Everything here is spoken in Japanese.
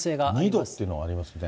２度っていうのがありますね。